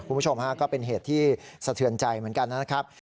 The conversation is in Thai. คุณผู้ชมฮะก็เป็นเหตุที่สะเทือนใจเหมือนกันนะครับ